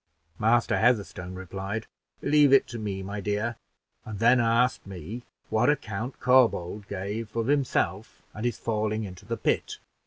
Master Heatherstone replied, 'Leave it to me, my dear;' and then asked me what account Corbould gave of himself, and his falling into the pit.